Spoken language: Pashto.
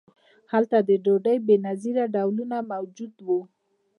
هلته د ډوډۍ بې نظیره ډولونه موجود وو.